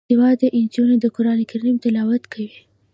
باسواده نجونې د قران کریم تلاوت کوي.